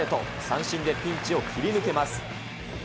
三振でピンチを切り抜けます。